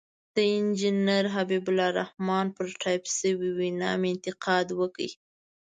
د انجنیر حبیب الرحمن پر ټایپ شوې وینا مې انتقاد وکړ.